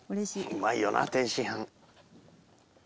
うまいよな天津飯。